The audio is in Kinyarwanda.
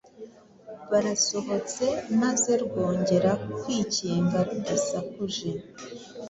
Barasohotse maze rwongera kwikinga rudasakuje.